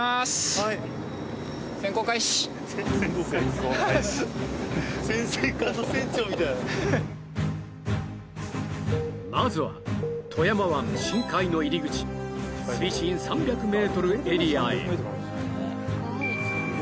はいまずは富山湾深海の入り口水深３００ｍエリアへ！